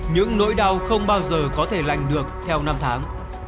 những nỗi đau không bao giờ có thể lành được theo năm tháng